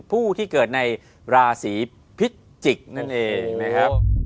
ผู้ที่เกิดในราศีพิจิกนั่นเอง